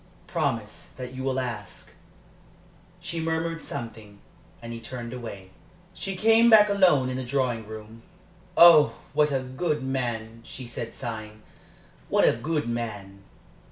"Promise that you will ask." She murmured something, and he turned away. She came back alone into the drawing room. "Oh, what a good man!" she said, sighing. "What a good man!"